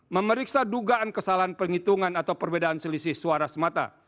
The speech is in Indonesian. memeriksa dugaan kesalahan penghitungan atau perbedaan selisih suara semata